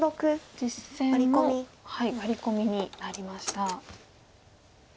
実戦もワリ込みになりました。